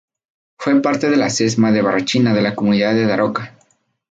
Fue parte de la Sesma de Barrachina de la Comunidad de Daroca.